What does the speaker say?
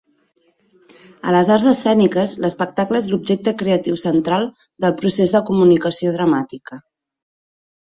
A les arts escèniques, l'espectacle és l'objecte creatiu central del procés de comunicació dramàtica.